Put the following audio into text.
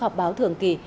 họp báo thường kỳ